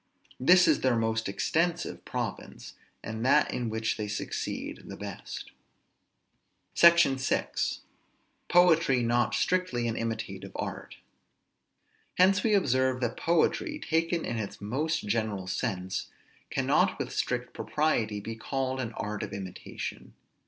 This is their most extensive province, and that in which they succeed the best. SECTION VI. POETRY NOT STRICTLY AN IMITATIVE ART. Hence we may observe that poetry, taken in its most general sense, cannot with strict propriety be called an art of imitation.